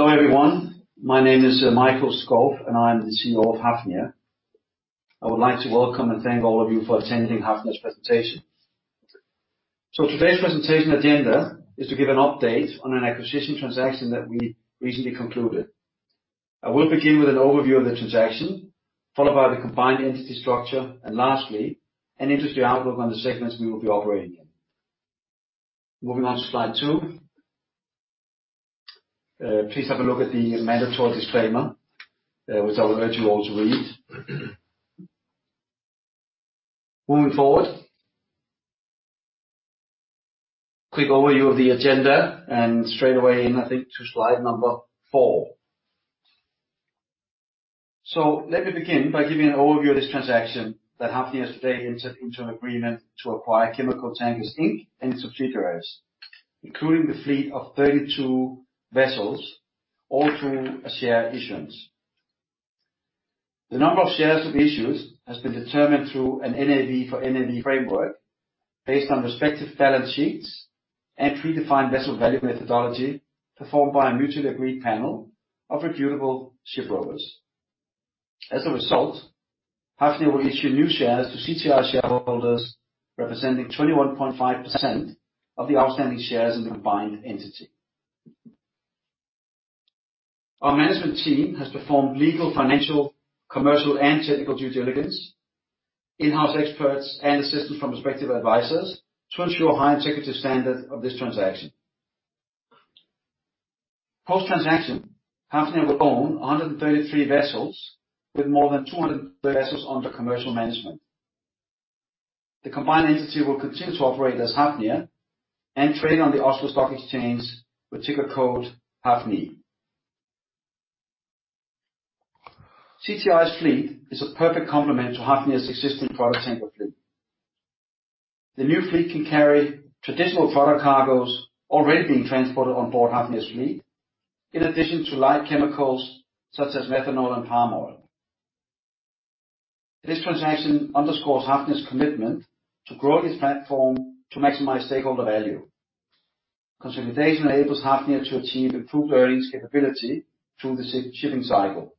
Hello everyone. My name is Mikael Skov, and I'm the CEO of Hafnia. I would like to welcome and thank all of you for attending Hafnia's presentation. Today's presentation agenda is to give an update on an acquisition transaction that we recently concluded. I will begin with an overview of the transaction, followed by the combined entity structure, and lastly, an industry outlook on the segments we will be operating in. Moving on to slide two. Please have a look at the mandatory disclaimer, which I would urge you all to read. Moving forward. Quick overview of the agenda and straightaway in, I think, to slide number 4. Let me begin by giving an overview of this transaction that Hafnia yesterday entered into an agreement to acquire Chemical Tankers Inc. and its subsidiaries, including the fleet of 32 vessels, all through a share issuance. The number of shares of issues has been determined through an NAV for NAV framework based on respective balance sheets and predefined vessel value methodology performed by a mutually agreed panel of reputable shipbrokers. As a result, Hafnia will issue new shares to CTI shareholders representing 21.5% of the outstanding shares in the combined entity. Our management team has performed legal, financial, commercial, and technical due diligence, in-house experts and assistance from respective advisors to ensure high execution standard of this transaction. Post-transaction, Hafnia will own 133 vessels with more than 200 vessels under commercial management. The combined entity will continue to operate as Hafnia and trade on the Oslo Stock Exchange with ticker code HAFNY. CTI's fleet is a perfect complement to Hafnia's existing product tanker fleet. The new fleet can carry traditional product cargoes already being transported on board Hafnia's fleet, in addition to light chemicals such as methanol and palm oil. This transaction underscores Hafnia's commitment to grow this platform to maximize stakeholder value. Consolidation enables Hafnia to achieve improved earnings capability through the shipping cycle.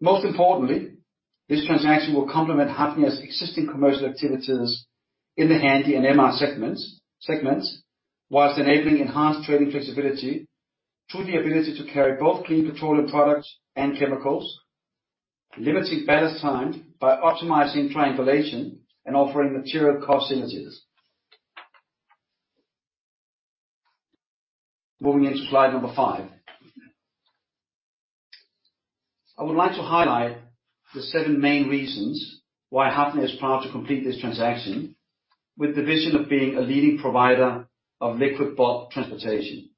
Most importantly, this transaction will complement Hafnia's existing commercial activities in the Handy and MR segments, while enabling enhanced trading flexibility through the ability to carry both clean petroleum products and chemicals, limiting ballast time by optimizing triangulation and offering material cost synergies. Moving into slide number five. I would like to highlight the seven main reasons why Hafnia is proud to complete this transaction with the vision of being a leading provider of liquid bulk transportation.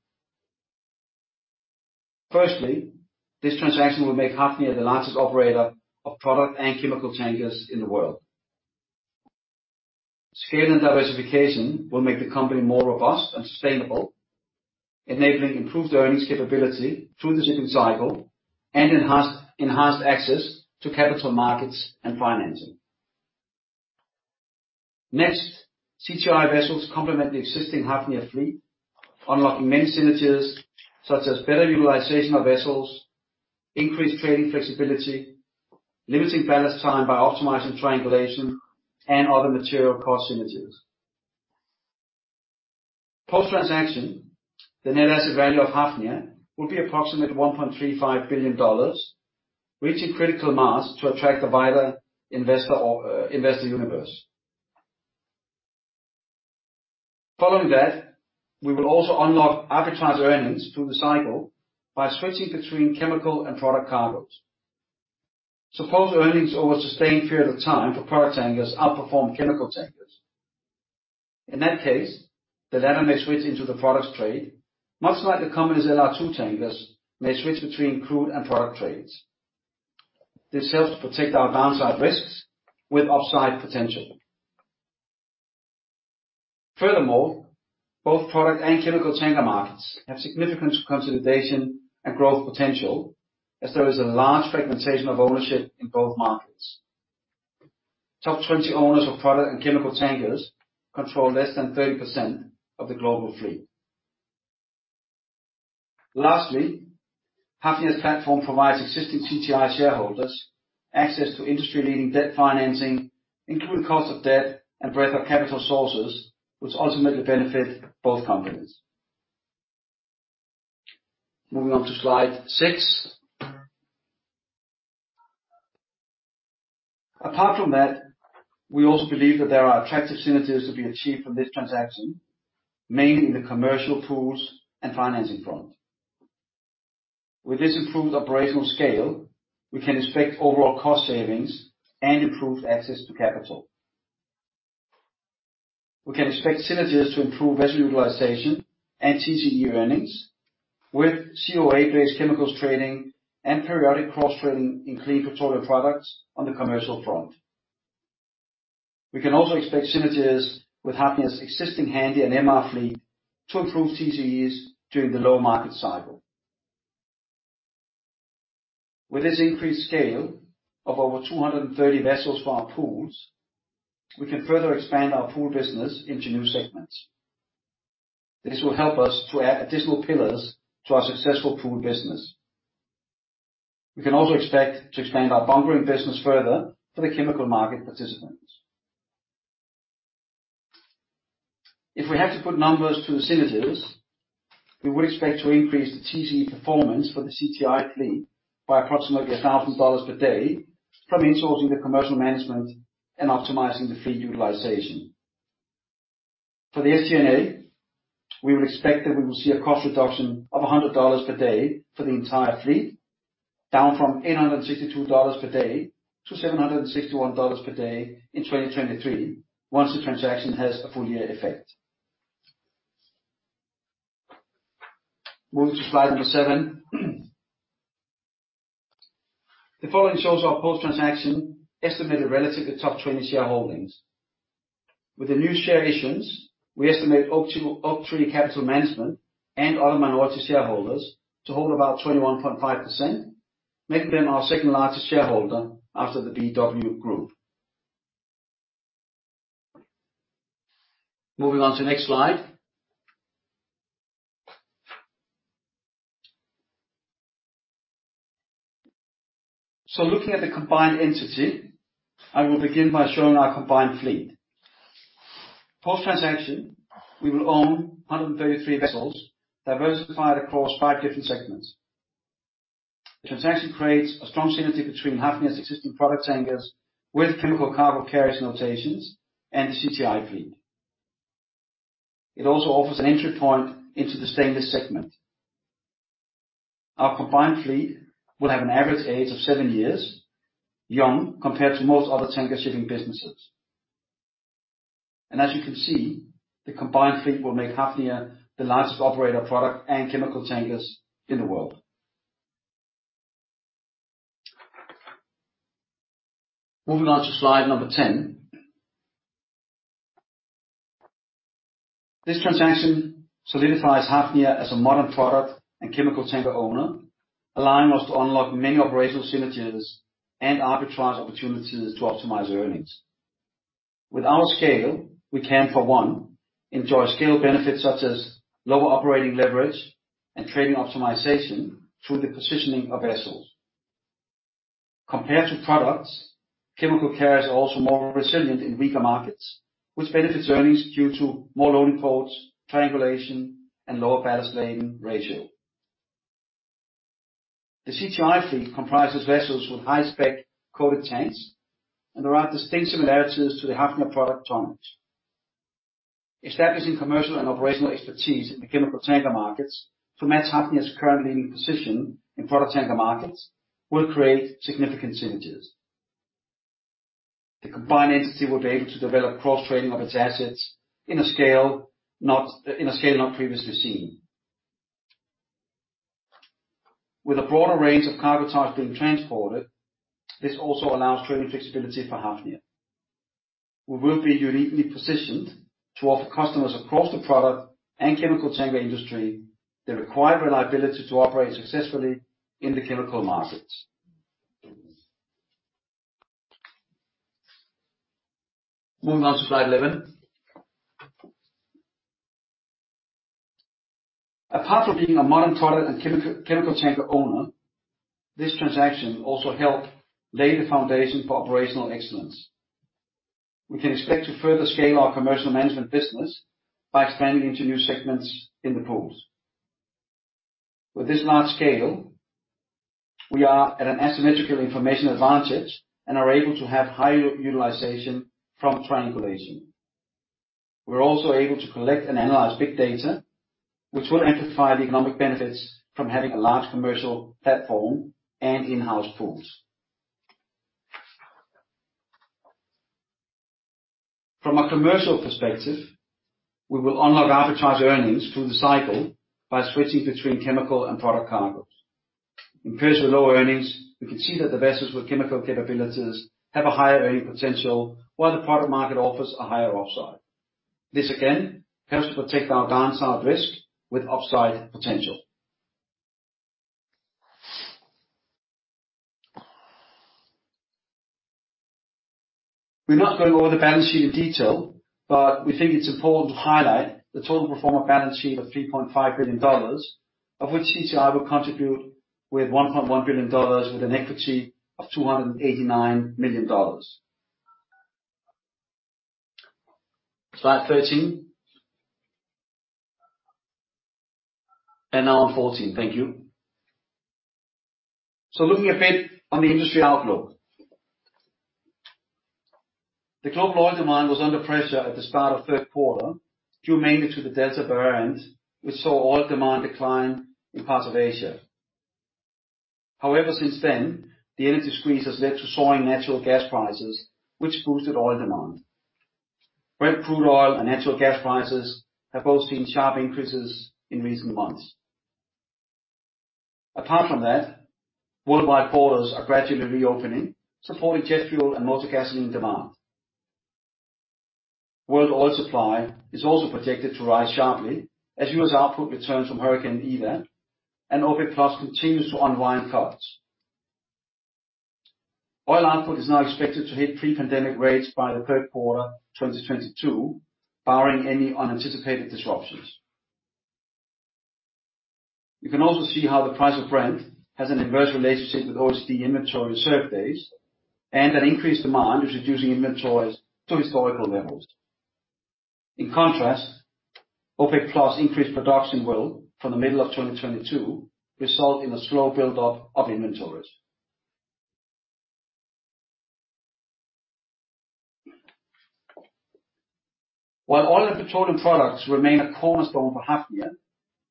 Firstly, this transaction will make Hafnia the largest operator of product and chemical tankers in the world. Scale and diversification will make the company more robust and sustainable, enabling improved earnings capability through the shipping cycle and enhanced access to capital markets and financing. Next, CTI vessels complement the existing Hafnia fleet, unlocking many synergies such as better utilization of vessels, increased trading flexibility, limiting ballast time by optimizing triangulation and other material cost synergies. Post-transaction, the net asset value of Hafnia will be approximately $1.35 billion, reaching critical mass to attract a wider investor universe. Following that, we will also unlock arbitrage earnings through the cycle by switching between chemical and product cargoes. Suppose earnings over a sustained period of time for product tankers outperform chemical tankers. In that case, the latter may switch into the products trade, much like the company's LR2 tankers may switch between crude and product trades. This helps to protect our downside risks with upside potential. Furthermore, both product and chemical tanker markets have significant consolidation and growth potential as there is a large fragmentation of ownership in both markets. Top 20 owners of product and chemical tankers control less than 30% of the global fleet. Lastly, Hafnia's platform provides existing CTI shareholders access to industry-leading debt financing, including cost of debt and breadth of capital sources, which ultimately benefit both companies. Moving on to slide six. Apart from that, we also believe that there are attractive synergies to be achieved from this transaction, mainly in the commercial pools and financing front. With this improved operational scale, we can expect overall cost savings and improved access to capital. We can expect synergies to improve vessel utilization and TCE earnings with COA-based chemicals trading and periodic cross-training in clean petroleum products on the commercial front. We can also expect synergies with Hafnia's existing Handy and MR fleet to improve TCEs during the low market cycle. With this increased scale of over 230 vessels for our pools, we can further expand our pool business into new segments. This will help us to add additional pillars to our successful pool business. We can also expect to expand our bunkering business further for the chemical market participants. If we have to put numbers to the synergies, we would expect to increase the TCE performance for the CTI fleet by approximately $1,000 per day from insourcing the commercial management and optimizing the fleet utilization. For the SG&A, we would expect that we will see a cost reduction of $100 per day for the entire fleet, down from $862 per day to $761 per day in 2023, once the transaction has a full year effect. Moving to slide seven. The following shows our post-transaction estimated relative to top 20 shareholdings. With the new share issuance, we estimate Oaktree Capital Management and other minority shareholders to hold about 21.5%, making them our second-largest shareholder after the BW Group. Moving on to the next slide. Looking at the combined entity, I will begin by showing our combined fleet. Post-transaction, we will own 133 vessels diversified across five different segments. The transaction creates a strong synergy between Hafnia's existing product tankers with chemical cargo carriers notations and the CTI fleet. It also offers an entry point into the stainless segment. Our combined fleet will have an average age of seven years, young compared to most other tanker shipping businesses. As you can see, the combined fleet will make Hafnia the largest operator of product and chemical tankers in the world. Moving on to slide number 10. This transaction solidifies Hafnia as a modern product and chemical tanker owner, allowing us to unlock many operational synergies and arbitrage opportunities to optimize earnings. With our scale, we can, for one, enjoy scale benefits such as lower operating leverage and trading optimization through the positioning of vessels. Compared to products, chemical carriers are also more resilient in weaker markets, which benefits earnings due to more loading ports, triangulation, and lower ballast laden ratio. The CTI fleet comprises vessels with high-spec coated tanks, and there are distinct similarities to the Hafnia product tonnages. Establishing commercial and operational expertise in the chemical tanker markets to match Hafnia's current leading position in product tanker markets will create significant synergies. The combined entity will be able to develop cross-trading of its assets in a scale not previously seen. With a broader range of cargo types being transported, this also allows trading flexibility for Hafnia. We will be uniquely positioned to offer customers across the product and chemical tanker industry the required reliability to operate successfully in the chemical markets. Moving on to slide 11. Apart from being a modern product and chemical tanker owner, this transaction will also help lay the foundation for operational excellence. We can expect to further scale our commercial management business by expanding into new segments in the pools. With this large scale, we are at an asymmetrical information advantage and are able to have higher utilization from triangulation. We're also able to collect and analyze big data, which will amplify the economic benefits from having a large commercial platform and in-house pools. From a commercial perspective, we will unlock arbitrage earnings through the cycle by switching between chemical and product cargoes. In periods with lower earnings, we can see that the vessels with chemical capabilities have a higher earning potential while the product market offers a higher upside. This again helps to protect our downside risk with upside potential. We're not going to go over the balance sheet in detail, but we think it's important to highlight the total pro forma balance sheet of $3.5 billion, of which CTI will contribute with $1.1 billion with an equity of $289 million. Slide 13. Now on 14. Thank you. Looking a bit on the industry outlook. The global oil demand was under pressure at the start of Q3, due mainly to the Delta variant, which saw oil demand decline in parts of Asia. However, since then, the energy squeeze has led to soaring natural gas prices, which boosted oil demand. Brent crude oil and natural gas prices have both seen sharp increases in recent months. Apart from that, worldwide borders are gradually reopening, supporting jet fuel and motor gasoline demand. World oil supply is also projected to rise sharply as US output returns from Hurricane Ida, and OPEC+ continues to unwind cuts. Oil output is now expected to hit pre-pandemic rates by the Q3, 2022, barring any unanticipated disruptions. You can also see how the price of Brent has an inverse relationship with OECD inventory reserve days, and that increased demand is reducing inventories to historical levels. In contrast, OPEC+ increased production will, from the middle of 2022, result in a slow build-up of inventories. While oil and petroleum products remain a cornerstone for Hafnia,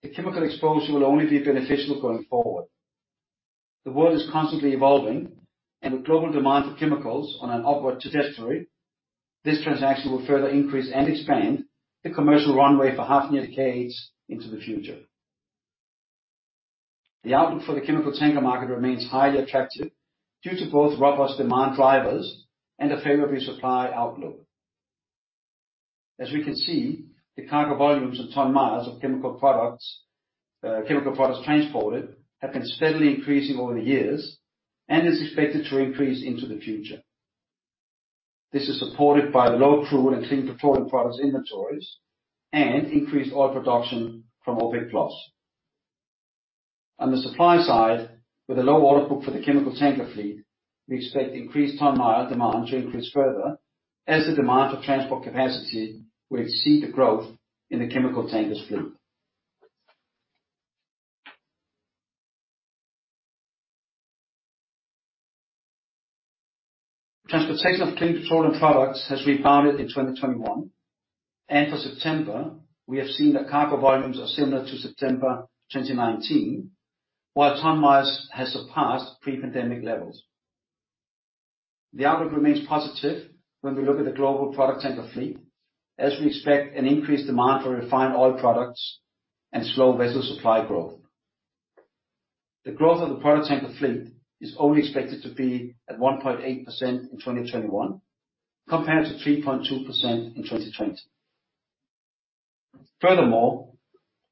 the chemical exposure will only be beneficial going forward. The world is constantly evolving, and with global demand for chemicals on an upward trajectory, this transaction will further increase and expand the commercial runway for Hafnia decades into the future. The outlook for the chemical tanker market remains highly attractive due to both robust demand drivers and a favorable supply outlook. As we can see, the cargo volumes and ton miles of chemical products transported have been steadily increasing over the years and is expected to increase into the future. This is supported by low crude and clean petroleum products inventories and increased oil production from OPEC+. On the supply side, with a low order book for the chemical tanker fleet, we expect increased ton mile demand to increase further as the demand for transport capacity will exceed the growth in the chemical tankers fleet. Transportation of clean petroleum products has rebounded in 2021, and for September, we have seen that cargo volumes are similar to September 2019, while ton miles has surpassed pre-pandemic levels. The outlook remains positive when we look at the global product tanker fleet, as we expect an increased demand for refined oil products and slow vessel supply growth. The growth of the product tanker fleet is only expected to be at 1.8% in 2021, compared to 3.2% in 2020. Furthermore,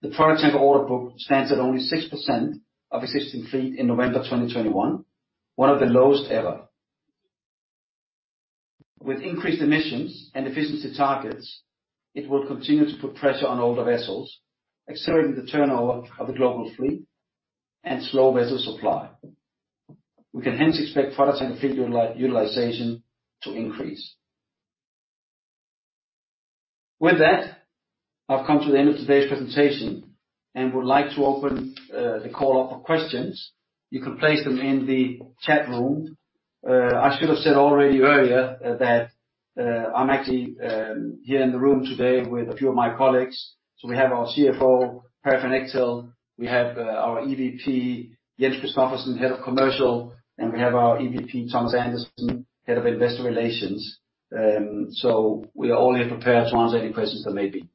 the product tanker order book stands at only 6% of existing fleet in November 2021, one of the lowest ever. With increased emissions and efficiency targets, it will continue to put pressure on older vessels, accelerating the turnover of the global fleet and slow vessel supply. We can hence expect product tanker fleet utilization to increase. With that, I've come to the end of today's presentation and would like to open the call up for questions. You can place them in the chat room. I should have said already earlier that I'm actually here in the room today with a few of my colleagues. We have our CFO, Perry van Echtelt. We have our EVP, Jens Christophersen, Head of Commercial, and we have our EVP, Thomas Andersen, Head of Investor Relations. We are all here prepared to answer any questions there may be.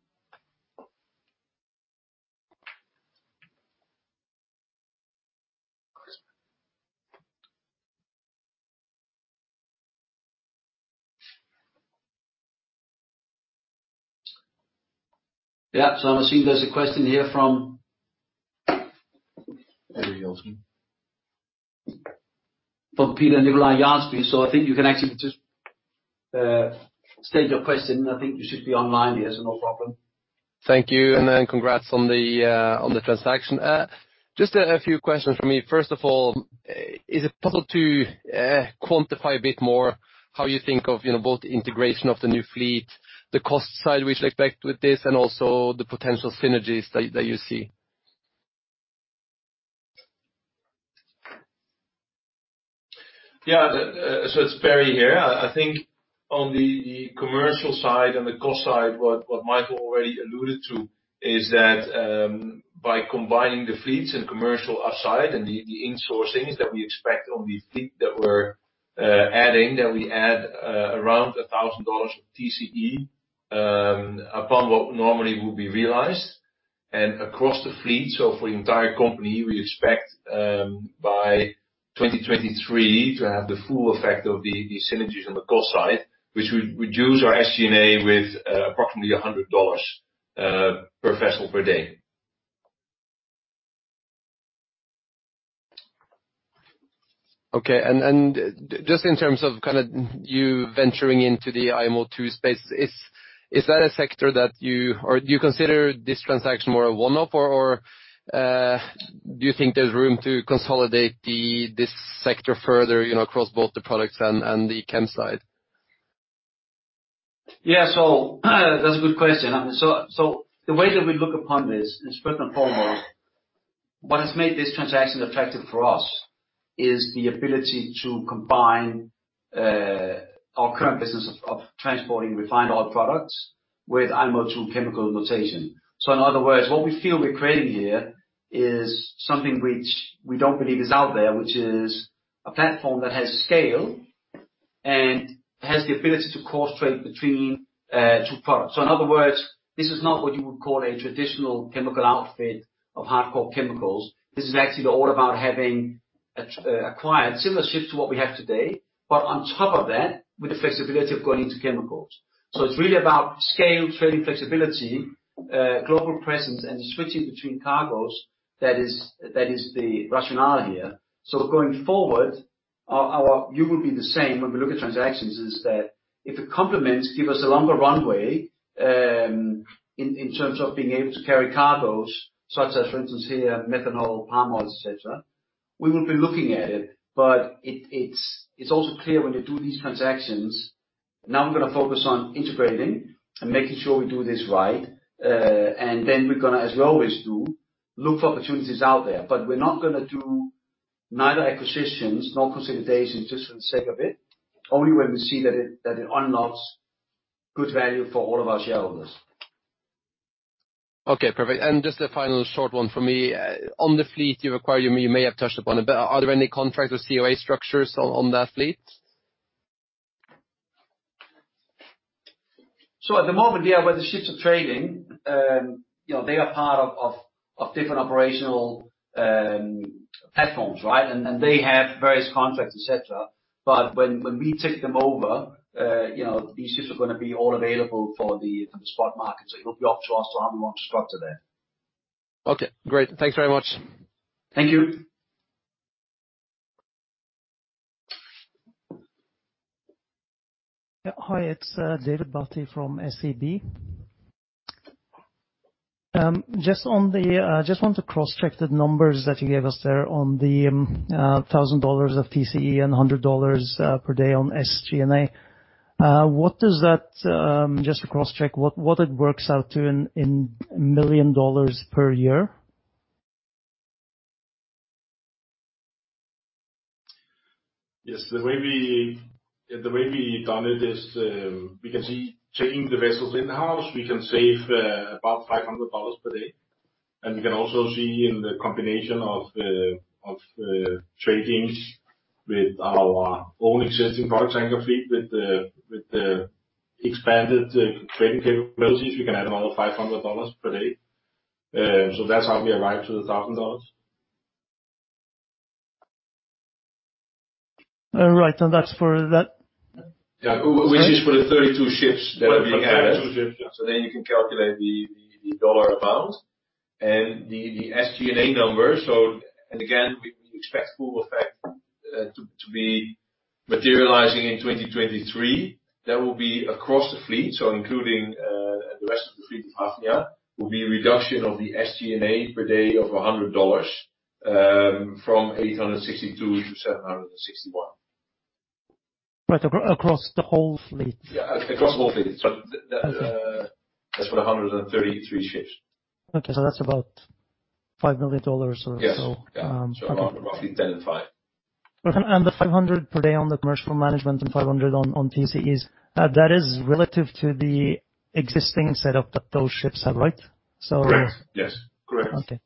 Yeah. I'm assuming there's a question here from Perry Olsen. From Peter Nicolai Janssen, so I think you can actually just state your question. I think you should be online here, so no problem. Thank you, congrats on the transaction. Just a few questions from me. First of all, is it possible to quantify a bit more how you think of, you know, both the integration of the new fleet, the cost side we should expect with this, and also the potential synergies that you see? Yeah. It's Perry here. I think on the commercial side and the cost side, what Mikael already alluded to is that by combining the fleets and commercial upside and the insourcing that we expect on the fleet that we're adding, that we add around $1,000 of TCE upon what normally would be realized. Across the fleet, for the entire company, we expect by 2023 to have the full effect of the synergies on the cost side, which would reduce our SG&A with approximately $100 per vessel per day. Okay. Just in terms of kinda you venturing into the IMO 2 space, is that a sector that you or do you consider this transaction more a one-off or do you think there's room to consolidate this sector further, you know, across both the products and the chem side? Yeah. That's a good question. The way that we look upon this is first and foremost, what has made this transaction attractive for us is the ability to combine our current business of transporting refined oil products with IMO 2 chemical notation. In other words, what we feel we're creating here is something which we don't believe is out there, which is a platform that has scale and has the ability to cross trade between two products. In other words, this is not what you would call a traditional chemical outfit of hardcore chemicals. This is actually all about having acquired similar ships to what we have today, but on top of that, with the flexibility of going into chemicals. It's really about scale, trading flexibility, global presence, and switching between cargos that is the rationale here. Going forward, our view will be the same when we look at transactions is that if it complements, give us a longer runway, in terms of being able to carry cargos such as, for instance here, methanol, palm oil, et cetera, we will be looking at it. It's also clear when you do these transactions, now we're gonna focus on integrating and making sure we do this right. We're gonna, as we always do, look for opportunities out there. We're not gonna do neither acquisitions nor consolidations just for the sake of it. Only when we see that it unlocks good value for all of our shareholders. Okay, perfect. Just a final short one from me. On the fleet you've acquired, you may have touched upon it, but are there any contract or COA structures on that fleet? At the moment, yeah, where the ships are trading, you know, they are part of different operational platforms, right? They have various contracts, et cetera. When we take them over, you know, these ships are gonna be all available for the spot market. It will be up to us to how we want to structure that. Okay, great. Thanks very much. Thank you. Yeah. Hi, it's David Barty from SEB. Just want to cross-check the numbers that you gave us there on the $1,000 of TCE and $100 per day on SG&A. What does that just to cross-check what it works out to in $1 million per year? Yes. The way we done it is, we can see taking the vessels in-house, we can save about $500 per day. We can also see in the combination of tradings with our own existing product tanker fleet with the expanded trading capabilities, we can add another $500 per day. That's how we arrived to the $1,000. All right. That's for that. Yeah. Which is for the 32 ships that are being added. For the 32 ships, yeah. You can calculate the dollar amount. The SG&A number. Again, we expect full effect to be materializing in 2023. That will be across the fleet, so including the rest of the fleet of Hafnia, will be a reduction of the SG&A per day of $100, from $862 to $761. Right. Across the whole fleet? Yeah. Across the whole fleet. That is for the 133 ships. Okay. That's about $5 million or so. Yes. Yeah. Roughly $10 million and $5million. The $500 per day on the commercial management and $500 on TCEs, that is relative to the existing setup that those ships have, right? Correct. Yes. Correct. Okay.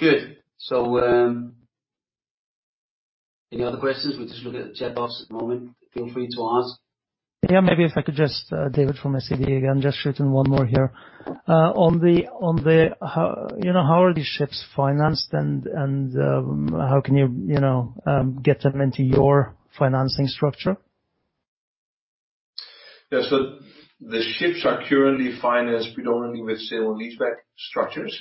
Good. Any other questions? We're just looking at the chat box at the moment. Feel free to ask. Maybe if I could just, David Barty from SEB again. Just shoot in one more here. On how, you know, are these ships financed and how can you know, get them into your financing structure? Yeah. The ships are currently financed predominantly with sale and leaseback structures.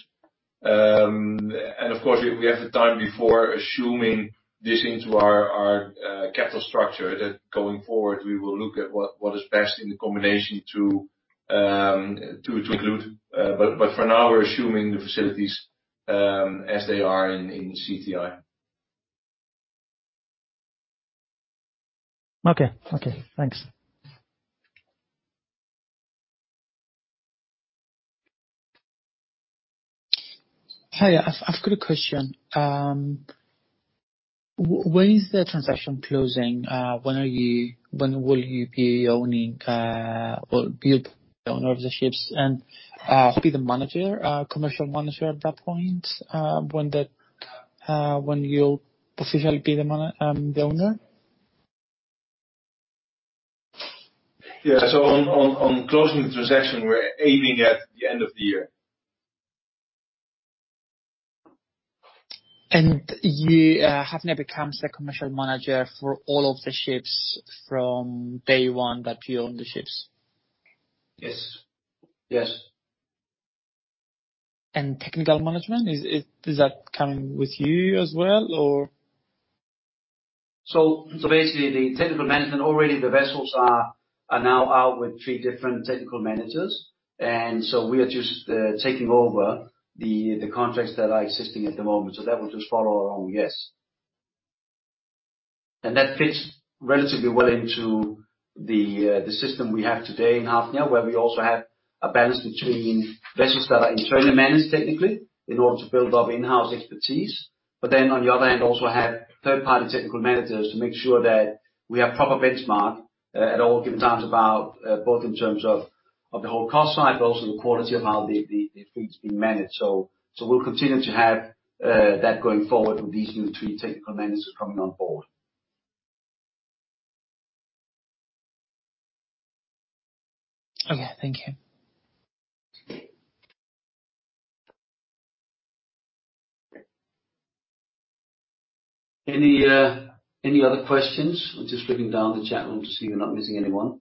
Of course, we have the time before assuming this into our capital structure that going forward, we will look at what is best in the combination to include. For now, we're assuming the facilities as they are in CTI. Okay. Thanks. Hi, I've got a question. When is the transaction closing? When will you be owning or be the owner of the ships and be the manager, commercial manager at that point, when you'll officially be the owner? Yeah. On closing the transaction, we're aiming at the end of the year. You, Hafnia becomes the commercial manager for all of the ships from day one that you own the ships? Yes. Yes. Technical management, does that come with you as well or? Basically, the technical management—already the vessels are now out with three different technical managers. We are just taking over the contracts that are existing at the moment. That will just follow along, yes. That fits relatively well into the system we have today in Hafnia, where we also have a balance between vessels that are internally managed technically in order to build up in-house expertise, but then on the other hand, also have third-party technical managers to make sure that we have proper benchmark. At all given times about both in terms of the whole cost side, but also the quality of how the fleet's being managed. We'll continue to have that going forward with these new three technical managers coming on board. Okay. Thank you. Any other questions? I'm just looking down the chat room to see we're not missing anyone.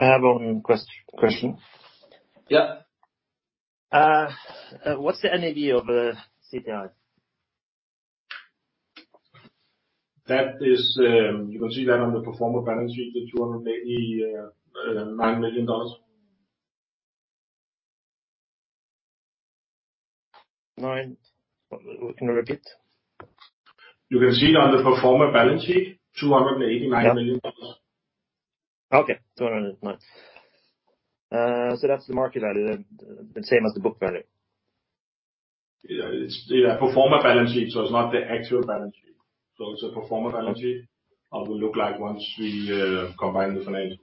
I have one question. Yeah. What's the NAV of the CTI? That is, you can see that on the pro forma balance sheet, the $289 million. Can you repeat? You can see it on the pro forma balance sheet, $289 million. $289 million. That's the market value, the same as the book value? Yeah. It's the pro forma balance sheet, so it's not the actual balance sheet. It's a pro forma balance sheet, how it will look like once we combine the financials.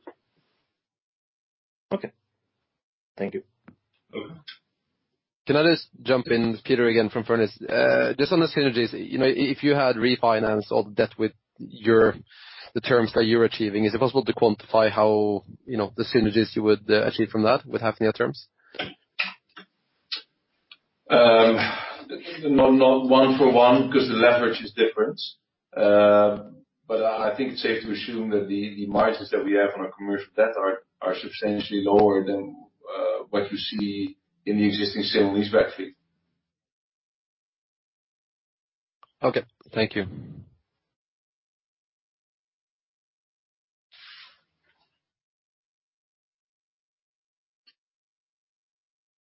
Okay. Thank you. Okay. Can I just jump in? Peter again from Jefferies. Just on the synergies, you know, if you had refinanced all the debt with your terms that you're achieving, is it possible to quantify how, you know, the synergies you would achieve from that with having your terms? Not one for one because the leverage is different. I think it's safe to assume that the margins that we have on our commercial debt are substantially lower than what you see in the existing synergies backfeed. Okay. Thank you.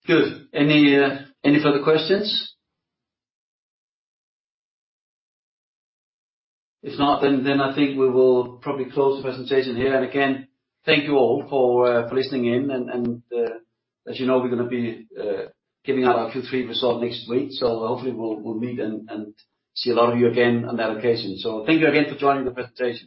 Good. Any further questions? If not, I think we will probably close the presentation here. Again, thank you all for listening in. As you know, we're gonna be giving out our Q3 result next week. Hopefully we'll meet and see a lot of you again on that occasion. Thank you again for joining the presentation.